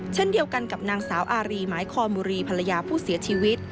เช่นเดียวกันกับนางสาวอารีหมายคอนบุรีภรรยาผู้เสียชีวิต